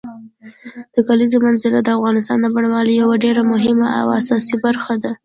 د کلیزو منظره د افغانستان د بڼوالۍ یوه ډېره مهمه او اساسي برخه ده.